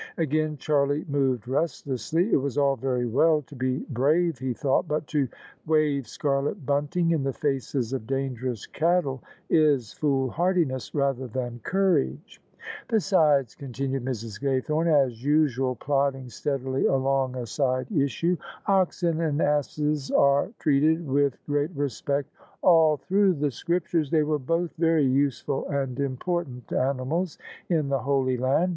Again Charlie moved restlessly. It was all very well to be brave he thought: but to wave scarlet bunting in the faces of dangerous cattle is foolhardiness rather than courage. " Besides," continued Mrs. Gaythome, as usual plodding steadily along a side issue, " oxen and asses are treated with [ 99 ]^.,^ THE SUBJECTION great rttpect all tfaiDo^ die Scrqytiires: Acf were bodi very wefnl and im p ortan t animals m die H<Jy Land.